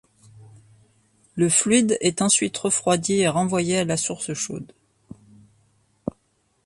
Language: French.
Le fluide est ensuite refroidi et renvoyé à la source chaude.